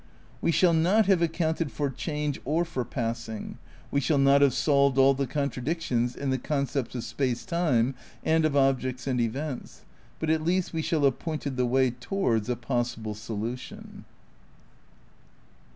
We shall not have accounted for change or for passing, we shall not have solved all the contradictions in the concepts of space time and of objects and events, but at least we shall have pointed the way towards a possible solution.